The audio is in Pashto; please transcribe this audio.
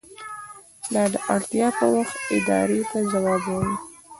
دا د اړتیا په وخت ادارې ته ځواب وايي.